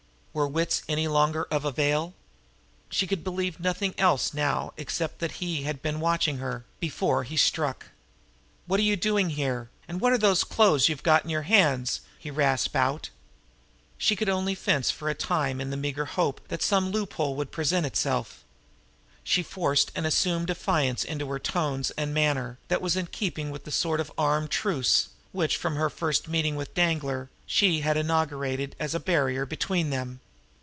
Were wits any longer of avail? She could believe nothing else now except that he had been watching her before he struck. "What are you doing here, and what are those clothes you've got in your hands?" he rasped out. She could only fence for time in the meager hope that some loophole would present itself. She forced an assumed defiance into her tones and manner, that was in keeping with the sort of armed truce, which, from her first meeting with Danglar, she had inaugurated as a barrier between them.